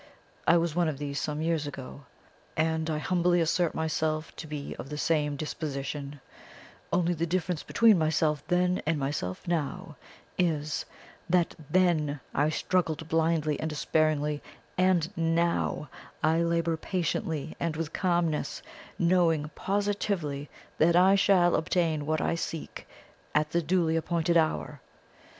I was one of these some years ago, and I humbly assert myself still to be of the same disposition; only the difference between myself then and myself now is, that THEN I struggled blindly and despairingly, and NOW I labour patiently and with calmness, knowing positively that I shall obtain what I seek at the duly appointed hour.